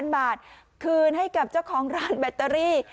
บาทคืนให้กับเจ้าของร้านแบตเตอรี่